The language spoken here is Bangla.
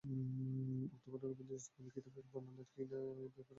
উক্ত ঘটনাপঞ্জি আসমানী কিতাবের বর্ণনা কি না এ ব্যাপারে যথাযথ সন্দেহের অবকাশ রয়েছে।